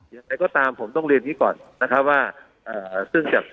ยังไงก็ตามผมต้องเรียนอย่างนี้ก่อนนะครับว่าอ่าซึ่งจาก